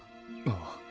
ああ。